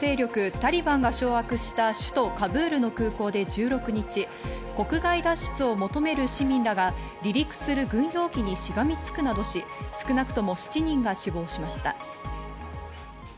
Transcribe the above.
・タリバンが掌握した首都カブールの空港で１６日、国外脱出を求める市民らが離陸する軍用機にしがみつくなどし、少なくとも７人が死亡しました。